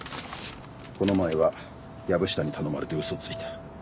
この前は薮下に頼まれてウソをついた。